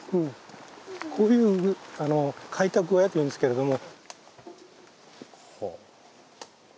こういう開拓小屋というんですけれども。